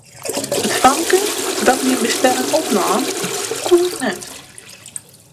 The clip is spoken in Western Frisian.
It famke dat myn bestelling opnaam, koe ik net.